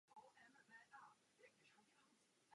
Vnitřní zařízení bylo moderně upraveno.